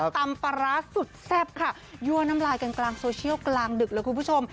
ตำปลาร้าสุดแซ่บค่ะยั่วน้ำลายกันกลางโซเชียลกลางดึกเลยคุณผู้ชม